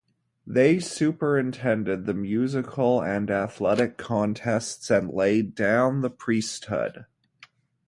They superintended the musical and athletic contests and laid down the priesthood.